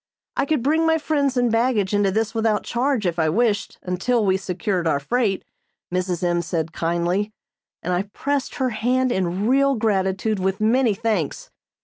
I could bring my friends and baggage into this without charge, if I wished, until we secured our freight, Mrs. M. said kindly, and I pressed her hand in real gratitude with many thanks.